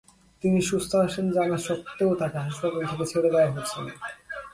তিনি সুস্থ আছেন জানা সত্ত্বেও তাঁকে হাসপাতাল থেকে ছেড়ে দেওয়া হচ্ছে না।